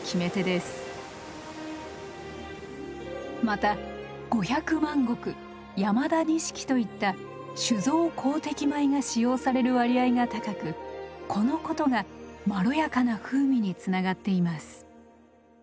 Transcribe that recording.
また五百万石山田錦といった酒造好適米が使用される割合が高くこのことがまろやかな風味につながっています。